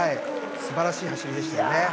すばらしい走りでしたね。